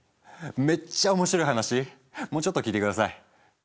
めっちゃ面白い話もうちょっと聞いて下さい。